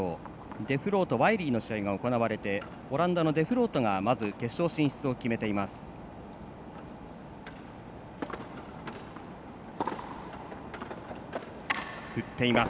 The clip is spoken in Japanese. デフロート、ワイリーの試合が行われてオランダのデフロートがまず決勝進出を決めています。